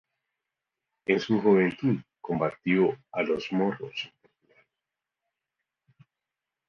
En su juventud combatió a los moros en Portugal.